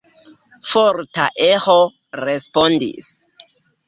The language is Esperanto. Forta eĥo respondis.